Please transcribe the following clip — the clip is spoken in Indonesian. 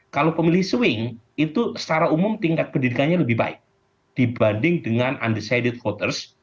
kalau pemilih swing itu secara umum tingkat pendidikannya lebih baik dibanding dengan undecided voters